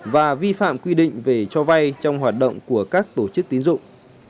và vi phạm quy định về cho vay trong hoạt động của các tổ chức tín dụng